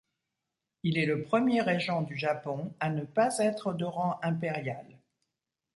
Il est le premier régent du Japon à ne pas être de rang impérial.